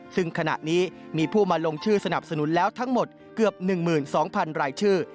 ซึ่งขณะนี้มีผู้มาลงชื่อสนับสนุนแล้วทั้งหมดเกือบ๑๒๐๐๐รายชื่อ